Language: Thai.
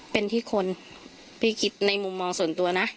เป็นที่คนพี่คิดในมุมมองส่วนตัวนะ